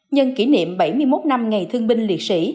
nhân kỷ niệm bảy mươi một năm ngày thương binh liệt sĩ